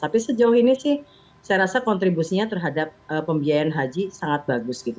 tapi sejauh ini sih saya rasa kontribusinya terhadap pembiayaan haji sangat bagus gitu